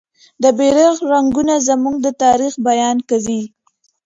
د بیرغ رنګونه زموږ د تاریخ بیان کوي.